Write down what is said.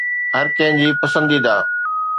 هر ڪنهن جي پسنديده